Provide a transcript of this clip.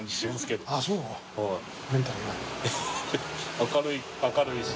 明るいし。